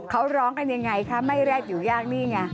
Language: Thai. เขาร้องกันยังไงคะไม่แรกอยู่ยากนี่ไง